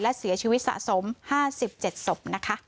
และเสียชีวิตสะสม๕๗สม